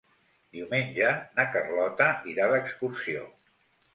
Diumenge na Carlota irà d'excursió.